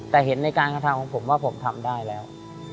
แต่เห็นในการกระทำของผมว่าผมทำได้แล้ว